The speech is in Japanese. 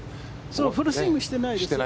フルスイングしてないです